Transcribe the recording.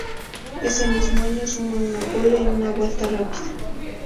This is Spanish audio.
Ese mismo año suma una pole y una vuelta rápida.